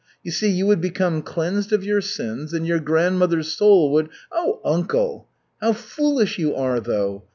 You see, you would become cleansed of your sins, and your grandmother's soul would " "Oh, uncle, how foolish you are, though.